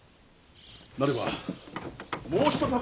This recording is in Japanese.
なればもう一たび。